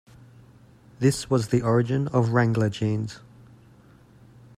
This was the origin of Wrangler Jeans.